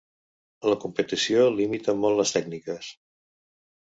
La competició limita molt les tècniques.